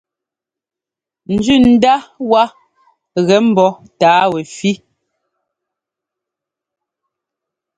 Njʉndá wá ŋgɛ́ mbɔ́ tǎa wɛfí.